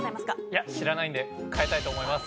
いや知らないんで変えたいと思います。